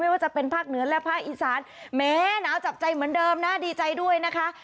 ว่าจะเป็นภาคเหนือและภาคอีสานแม้หนาวจับใจเหมือนเดิมนะดีใจด้วยนะคะ